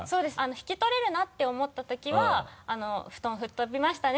引き取れるなって思った時は「布団吹っ飛びましたね」